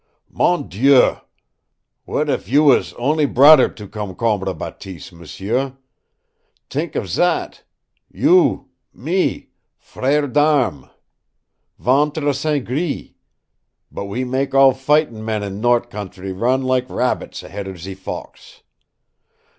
"MON DIEU, w'at if you was on'y brother to Concombre Bateese, m'sieu. T'ink of zat you me FRERE D'ARMES! VENTRE SAINT GRIS, but we mak' all fightin' men in nort' countree run lak rabbits ahead of ze fox!